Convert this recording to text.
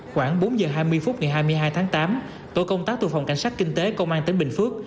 khoảng bốn giờ hai mươi phút ngày hai mươi hai tháng tám tổ công tác từ phòng cảnh sát kinh tế công an tỉnh bình phước